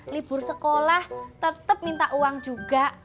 libur sekolah tetap minta uang juga